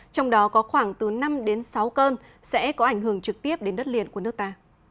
trong đó có khoảng từ năm đến sáu cơn sẽ có ảnh hưởng trực tiếp đến đất liền của nước ta